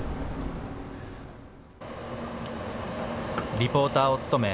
リポーターを務め